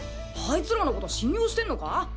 アイツらのこと信用してんのか？